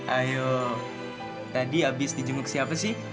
ayo tadi abis dijemuk siapa sih